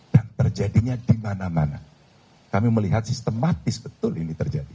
dan terjadinya di mana mana kami melihat sistematis betul ini terjadi